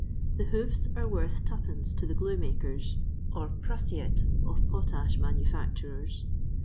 The hoofs are worth 2d, to the glue makers, or prussiate of potash manufiicturers.